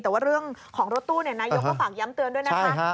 แต่ว่าเรื่องของรถตู้นายกก็ฝากย้ำเตือนด้วยนะคะ